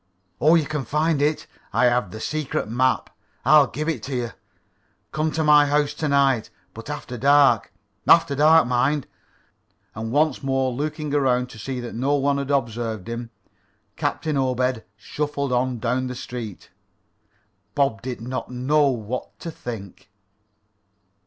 "Oh, you can find it. I have the secret map. I'll give it to you. Come to my house to night, but after dark after dark, mind." And, once more looking around to see that no one had observed him, Captain Obed shuffled on down the street. Bob did not know what to think.